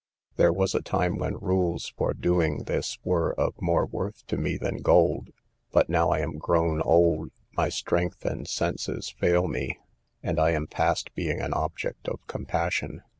"There was a time when rules for doing this were of more worth to me than gold; but now I am grown old, my strength and senses fail me, and I am past being an object of compassion.